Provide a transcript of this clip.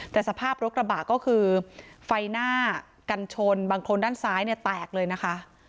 แต่สภาพรถกระบะก็คือไฟหน้ากันชนบางคนด้านซ้ายเนี่ยแตกเลยนะคะ